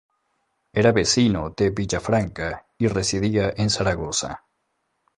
Era vecino de Villafranca y residía en Zaragoza.